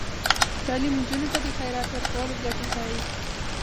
تعلیم نجونو ته د خیرات ورکولو ګټې ښيي.